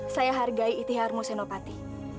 saya hargai itihar musenopati